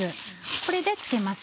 これで漬けます。